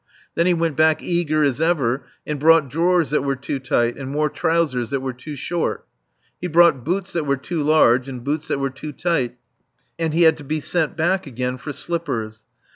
Then he went back, eager as ever, and brought drawers that were too tight, and more trousers that were too short. He brought boots that were too large and boots that were too tight; and he had to be sent back again for slippers.